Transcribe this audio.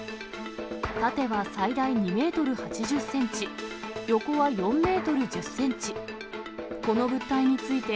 縦は最大２メートル８０センチ、横は４メートル１０センチ。